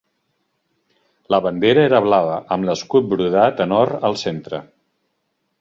La bandera era blava amb l'escut brodat en or al centre.